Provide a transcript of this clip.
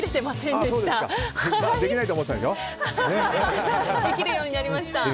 できるようになりました。